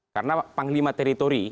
karena panglima teritori